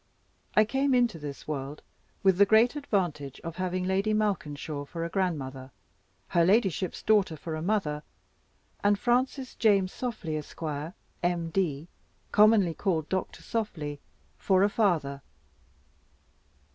I came into this world with the great advantage of having Lady Malkinshaw for a grandmother, her ladyship's daughter for a mother, and Francis James Softly, Esq., M. D. (commonly called Doctor Softly), for a father.